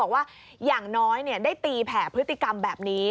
ว่าอย่างน้อยได้ตีแผ่พฤติกรรมแบบนี้